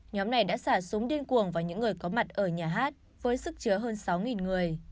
nhóm này đã xả súng điên cuồng vào những người có mặt ở nhà hát với sức chứa hơn sáu người